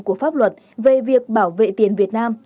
của pháp luật về việc bảo vệ tiền việt nam